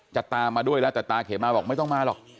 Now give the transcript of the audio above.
จะตามมาด้วยแล้วแต่ตาเขมาบอกไม่ต้องมาหรอก